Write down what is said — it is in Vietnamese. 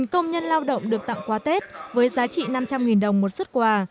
một công nhân lao động được tặng qua tết với giá trị năm trăm linh đồng một xuất quà